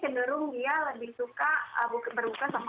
kalau di indonesia kan segala macam jajanan pasar ada semua ya